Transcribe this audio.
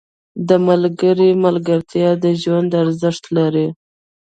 • د ملګري ملګرتیا د ژوند ارزښت لري.